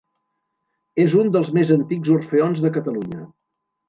És un dels més antics orfeons de Catalunya.